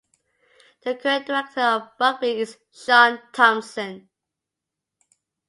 The current Director of Rugby is Sean Thompson.